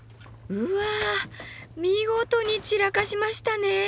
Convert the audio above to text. うわ見事に散らかしましたね。